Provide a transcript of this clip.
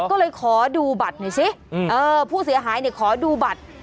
ก็เลยขอดูบัตรหน่อยสิผู้เสียหายเนี่ยขอดูบัตร